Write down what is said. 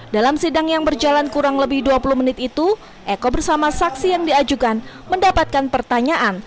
dalam sidang yang berjalan kurang lebih dua puluh menit itu eko bersama saksi yang diajukan mendapatkan pertanyaan